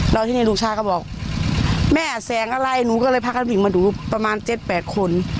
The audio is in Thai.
แล้วทีนี้ลูกชายก็บอกแม่แสงอะไรหนูก็เลยพากันวิ่งมาดูประมาณ๗๘คน